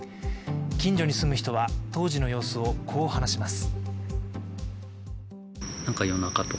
近所に住む人は、当時の様子をこう話します。